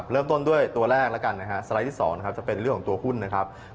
เริ่มต้นด้วยตัวแรกแล้วกันสไลด์ที่๒จะเป็นเรื่องของตัวหุ้น